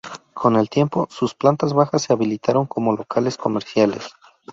Con el tiempo, sus plantas bajas se habilitaron como locales comerciales.